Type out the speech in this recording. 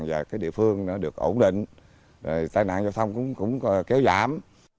và địa phương được ổn định tai nạn giao thông cũng kéo giảm